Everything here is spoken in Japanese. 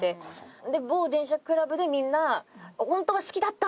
で某電車クラブでみんな「ホントは好きだったんだ！」